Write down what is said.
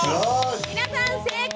皆さん正解！